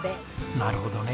なるほどね。